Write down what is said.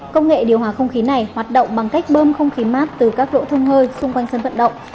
công nghệ điều hòa không khí này hoạt động bằng cách bơm không khí mát từ các lỗ thông hơi xung quanh sân vận động